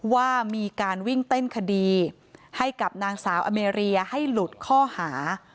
ว่ามีการวิ่งเต้นคดีให้กับนางสาวอเมรียให้หลุดข้อหา